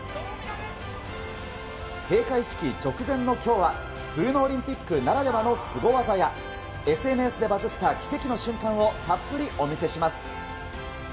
閉会式直前のきょうは、冬のオリンピックならではのすご技や、ＳＮＳでバズった奇跡の瞬間をたっぷりお見せします。